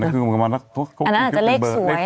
แต่คือกับมันเค้าอันนั้นอาจจะเลขสวย